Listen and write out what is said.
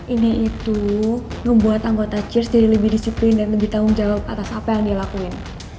ini itu membuat anggota charge jadi lebih disiplin dan lebih tanggung jawab atas apa yang dia lakuin